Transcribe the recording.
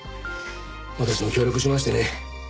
私も協力しましてね。